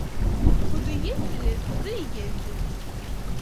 Куды ездзілі, туды і ездзяць.